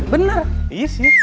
bener iya sih